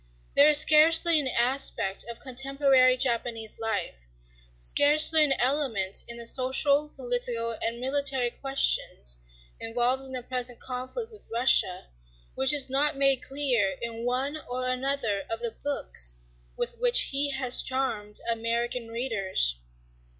There is scarcely an aspect of contemporary Japanese life, scarcely an element in the social, political, and military questions involved in the present conflict with Russia which is not made clear in one or another of the books with which he has charmed American readers.